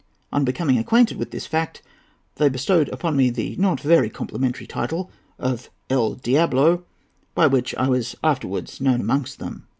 On becoming acquainted with this fact, they bestowed upon me the not very complimentary title of 'El Diablo,' by which I was afterwards known amongst them."